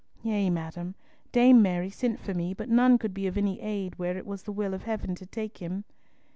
"Yea, madam. Dame Mary sent for me, but none could be of any aid where it was the will of Heaven to take him."